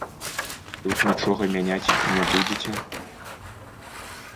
Тут нічога мяняць не будзеце?